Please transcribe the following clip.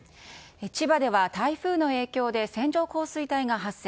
千葉では台風の影響で線状降水帯が発生。